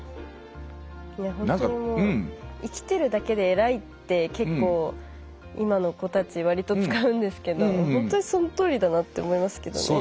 いや本当にもう生きてるだけで偉いって結構今の子たち割と使うんですけど本当にそのとおりだなって思いますけどね